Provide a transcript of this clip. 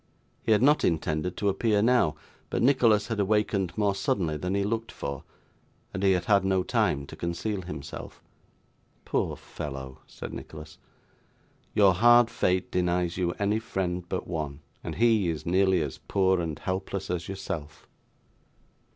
He had not intended to appear now, but Nicholas had awakened more suddenly than he looked for, and he had had no time to conceal himself. 'Poor fellow!' said Nicholas, 'your hard fate denies you any friend but one, and he is nearly as poor and helpless as yourself.